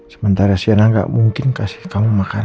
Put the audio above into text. sementara shiana gak mungkin kasih kamu makanan